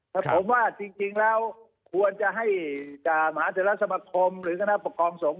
ผมว่าจริงแล้วควรจะให้หมาเศรษฐรรมคมหรือคณะปกครองศูนย์